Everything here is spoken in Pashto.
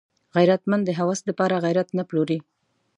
غیرتمند د هوس د پاره غیرت نه پلوري